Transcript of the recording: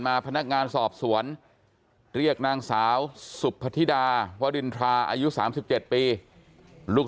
พนักงานสอบสวนเรียกนางสาวสุพธิดาวรินทราอายุ๓๗ปีลูก